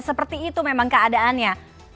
seperti itu memang keadaannya